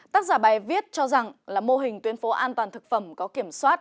tác giả bài viết cho rằng là mô hình tuyến phố an toàn thực phẩm có kiểm soát